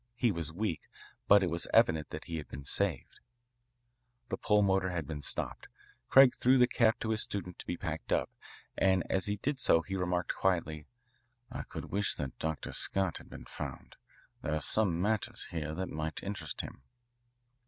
He was weak, but it was evident that he had been saved. The pulmotor had been stopped. Craig threw the cap to his student to be packed up, and as he did so he remarked quietly, "I could wish that Dr. Scott had been found. There are some matters here that might interest him."